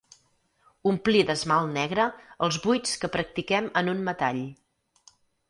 Omplir d'esmalt negre els buits que practiquem en un metall.